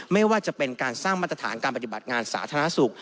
ไม่ว่าจะเป็นการสร้างมาตรฐานการปฏิบัติงานสาธารณสุข